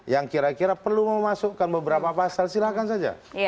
yang kira kira perlu memasukkan beberapa pasal silahkan saja